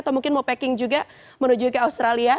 atau mungkin mau packing juga menuju ke australia